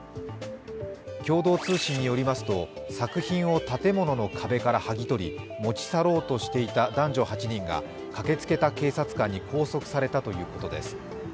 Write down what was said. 共同通信によりますと、作品を建物の壁から剥ぎ取り、持ち去ろうとしていた男女８人が駆けつけた警察官に拘束されたということです。